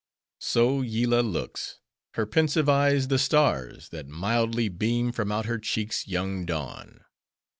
So Yillah looks! her pensive eyes the stars, That mildly beam from out her cheek's young dawn!